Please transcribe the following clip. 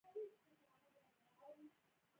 افغانستان د غوښې له پلوه متنوع دی.